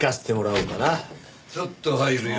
ちょっと入るよ。